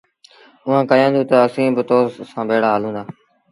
اُئآݩٚ ڪهيآندونٚ تا، ”اسيٚݩٚ با تو سآݩٚ ڀيڙآ هلونٚ دآ۔